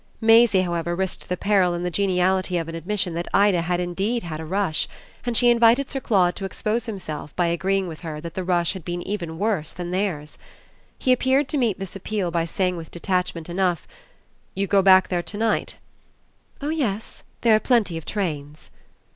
Maisie, however, risked the peril in the geniality of an admission that Ida had indeed had a rush; and she invited Sir Claude to expose himself by agreeing with her that the rush had been even worse than theirs. He appeared to meet this appeal by saying with detachment enough: "You go back there to night?" "Oh yes there are plenty of trains."